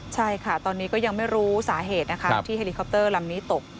ใช่ค่ะตอนนี้ก็ยังไม่รู้สาเหตุนะคะที่เฮลิคอปเตอร์ลำนี้ตก